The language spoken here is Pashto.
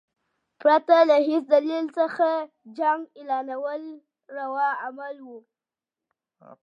پرته له هیڅ دلیل څخه جنګ اعلانول روا عمل وو.